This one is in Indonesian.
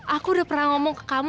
aku udah pernah ngomong ke kamu